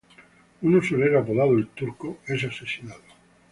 Un usurero apodado El turco es asesinado.